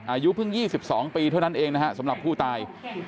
อายุเพิ่ง๒๒ปีเท่านั้นเองนะฮะสำหรับผู้ตาย